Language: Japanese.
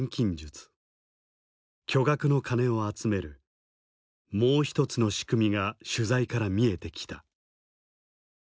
巨額の金を集めるもう一つの仕組みが取材から見えてきた。